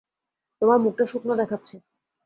তোমার মুখটা শুকনো দেখাচ্ছে।